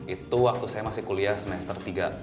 itu waktu saya masih kuliah semester tiga